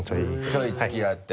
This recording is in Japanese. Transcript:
ちょい付き合って。